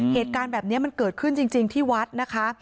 เหตุการณ์แบบนี้มันเกิดขึ้นจริงที่วัดนะคะ